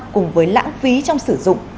cùng với lãng phí trong sử dụng